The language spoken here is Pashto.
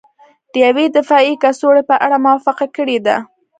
د یوې دفاعي کڅوړې په اړه موافقه کړې ده